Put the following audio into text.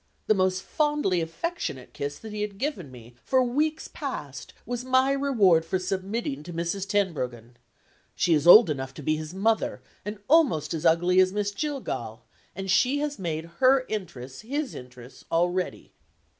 the most fondly affectionate kiss that he had given me, for weeks past, was my reward for submitting to Mrs. Tenbruggen. She is old enough to be his mother, and almost as ugly as Miss Jillgall and she has made her interests his interests already!